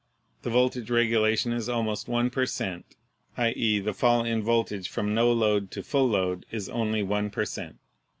The voltage regulation is almost one per cent. — i.e., the fall in voltage from no load to full load is only one per cent.